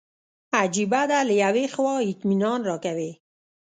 عجیبه ده له یوې خوا اطمینان راکوي.